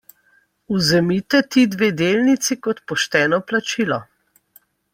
Vzemite te dve delnici kot pošteno plačilo.